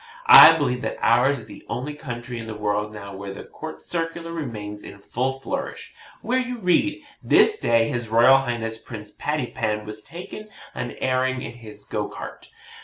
I believe that ours is the only country in the world now where the COURT CIRCULAR remains in full flourish where you read, 'This day his Royal Highness Prince Pattypan was taken an airing in his go cart.'